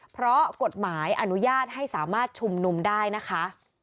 เพราะกฎหมายอนุญาตให้สามารถชุมนุมได้นะคะ